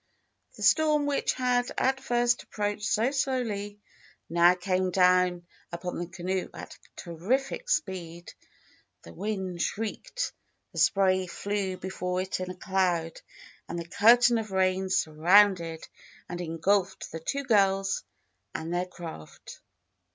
The storm which had, at first, approached so slowly, now came down upon the canoe at terrific speed. The wind shrieked, the spray flew before it in a cloud, and the curtain of rain surrounded and engulfed the two girls and their craft.